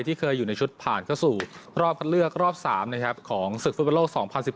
ที่เคยอยู่ในชุดผ่านเข้าสู่รอบคัดเลือกรอบ๓นะครับของศึกฟุตบอลโลก๒๐๑๘